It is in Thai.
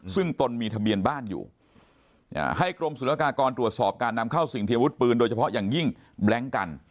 ซึ่งตนมีทะเบียนบ้านอยู่ให้กรมศุลกากรตรวจสอบการนำเข้าสิ่งเทียวุธปืนโดยเฉพาะอย่างยิ่งแบล็งกัน